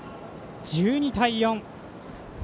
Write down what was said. １２対４。